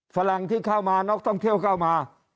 ฝรั่งที่เข้ามานักท่องเที่ยวเข้ามา